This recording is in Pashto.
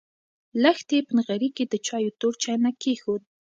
لښتې په نغري کې د چایو تور چاینک کېښود.